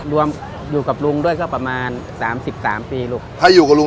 รวมอยู่กับลุงด้วยก็ประมาณ๓๓ปีลุง